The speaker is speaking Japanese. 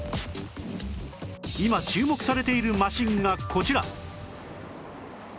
今注目されているマシンがこちら